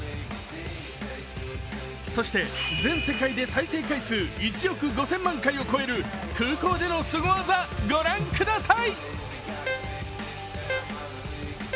そして、全世界で再生回数１億５０００万回を超える空港でのすご技、御覧ください。